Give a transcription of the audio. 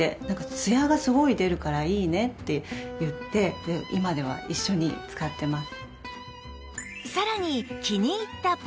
「ツヤがすごい出るからいいね」って言って今では一緒に使ってます。